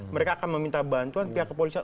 mereka akan meminta bantuan pihak kepolisian